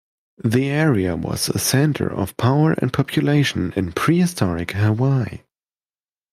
The area was a center of power and population in pre-historic Hawaii.